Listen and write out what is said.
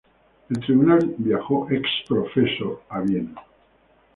El tribunal viajó ex profeso a Viena.